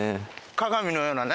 鏡のようなね。